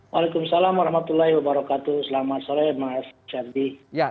waalaikumsalam warahmatullahi wabarakatuh selamat sore mas ferdi